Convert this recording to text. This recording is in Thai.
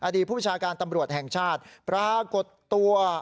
ผู้ประชาการตำรวจแห่งชาติปรากฏตัว